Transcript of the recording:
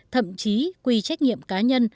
thậm chí quy trách nhiệm cá nhân